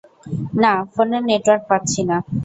না, ফোনে নেটওয়ার্ক পাচ্ছি না!